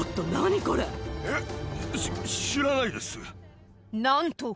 えっ。